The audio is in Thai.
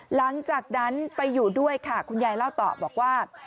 หลังจากนั้นไปอยู่ด้วยค่ะคุณยายเล่าต่อบอกว่า